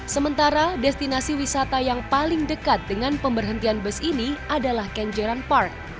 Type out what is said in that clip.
sementara destinasi wisata yang paling dekat dengan pemberhentian bus ini adalah kenjeran park